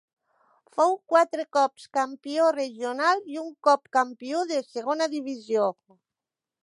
Fou quatre cops campió regional i un cop campió de Segona Divisió.